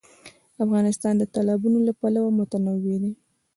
افغانستان د تالابونه له پلوه متنوع دی.